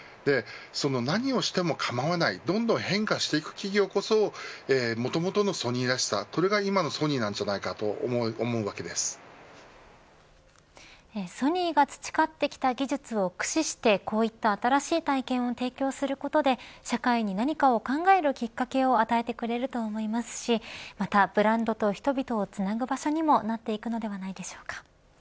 何もしても構わないどんどん変化していく企業こそもともとのソニーらしさこれが今のソニーなのではとソニーが培ってきた技術を駆使してこういった新しい体験を提供することで社会に何かを考えるきっかけを与えてくれると思いますしまた、ブランドと人々をつなぐ場所にもなっていくのではないでしょうか。